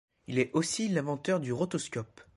Il est aussi l'inventeur du rotoscope.